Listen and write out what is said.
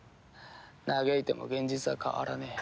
嘆いても現実は変わらねえ。